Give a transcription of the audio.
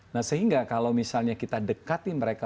nah sehingga kalau misalnya kita dekati mereka